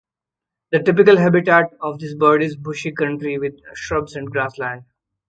The typical habitat of this bird is bushy country with shrubs and grassland.